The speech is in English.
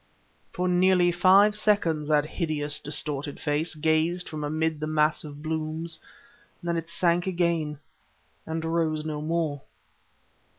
For nearly five seconds that hideous, distorted face gazed from amid the mass of blooms, then it sank again ... and rose no more."